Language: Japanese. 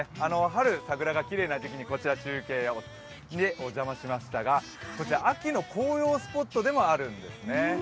春、桜がきれいな時期にこちら中継でお邪魔しましたがこちら、秋の紅葉スポットでもあるんですね。